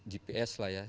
gps lah ya